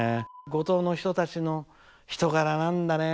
五島の人たちの人柄なんだね。